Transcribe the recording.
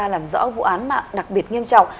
làm rõ vụ án mạng đặc biệt nghiêm trọng